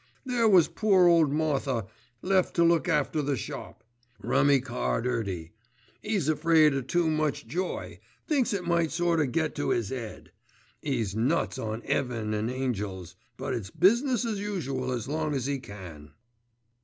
There was poor ole Martha left to look after the shop. Rummy card 'Earty. 'E's afraid o' too much joy, thinks it might sort o' get to 'is 'ead. 'E's nuts on 'eaven an' angels; but it's business as usual as long as 'e can.